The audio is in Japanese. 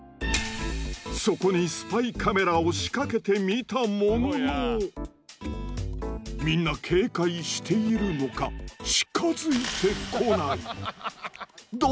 そこにスパイカメラを仕掛けてみたもののみんな警戒しているのか近づいてこない。